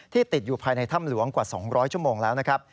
ติดอยู่ภายในถ้ำหลวงกว่า๒๐๐ชั่วโมงแล้วนะครับ